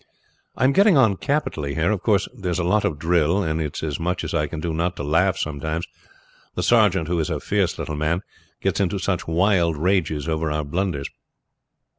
"I am getting on capitally here. Of course there is a lot of drill, and it is as much as I can do not to laugh sometimes, the sergeant, who is a fierce little man, gets into such wild rages over our blunders.